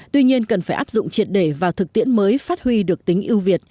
tuy nhiên cần phải áp dụng trường hợp